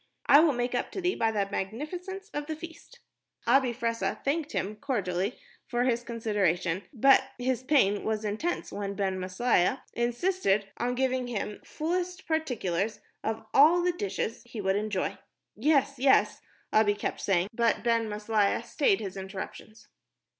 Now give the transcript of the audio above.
I will make up to thee by the magnificence of the feast." Abi Fressah thanked him cordially for his consideration, but his pain was intense when Ben Maslia insisted on giving him fullest particulars of all the dishes he would enjoy. "Yes, yes," Abi kept saying, but Ben Maslia stayed his interruptions.